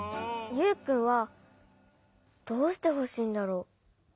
ユウくんはどうしてほしいんだろう？